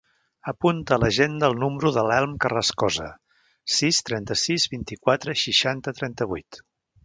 Apunta a l'agenda el número de l'Elm Carrascosa: sis, trenta-sis, vint-i-quatre, seixanta, trenta-vuit.